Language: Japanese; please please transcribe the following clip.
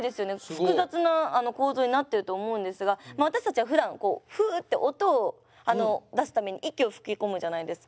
複雑な構造になってると思うんですが私たちはふだんフって音を出すために息を吹き込むじゃないですか。